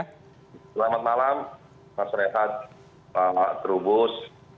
selamat malam pak sretan pak terubus